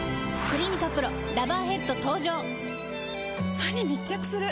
歯に密着する！